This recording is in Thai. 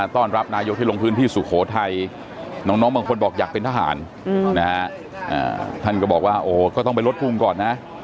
ท่านก็บอกว่าก็ต้องไปรถกรุงก่อนนะ